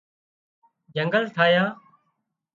جنگل ٺاهيان